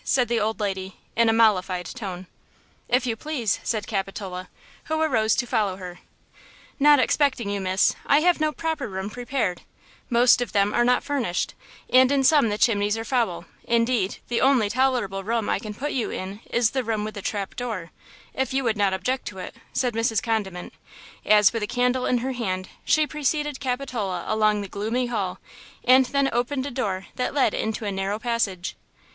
said the old lady, in a mollified tone. "If you please," said Capitola, who arose to follow her. "Not expecting you, miss, I have no proper room prepared; most of them are not furnished, and in some the chimneys are foul; indeed, the only tolerable room I can put you in is the room with the trap door–if you would not object to it," said Mrs. Condiment, as with a candle in her hand she preceded Capitola along the gloomy hall and then opened a door that led into a narrow passage.